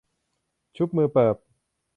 ชุบมือเปิบ